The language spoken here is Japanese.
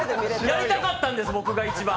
やりたかったんです、僕が一番。